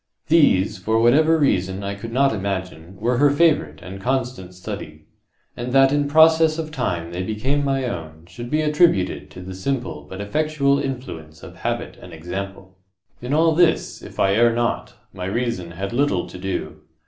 These, for what reason I could not imagine, were her favourite and constant study—and that in process of time they became my own, should be attributed to the simple but effectual influence of habit and example. In all this, if I err not, my reason had little to do.